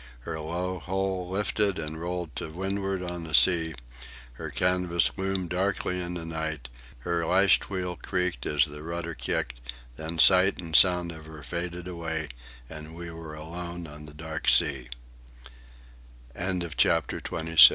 Her low hull lifted and rolled to windward on a sea; her canvas loomed darkly in the night; her lashed wheel creaked as the rudder kicked; then sight and sound of her faded away, and we were alone on the da